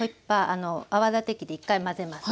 あの泡立て器で１回混ぜます。